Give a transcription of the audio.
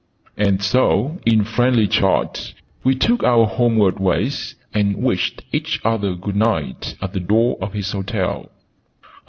And so, in friendly chat, we took our homeward ways, and wished each other 'good night' at the door of his hotel.